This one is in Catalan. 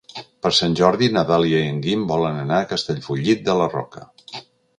Per Sant Jordi na Dàlia i en Guim volen anar a Castellfollit de la Roca.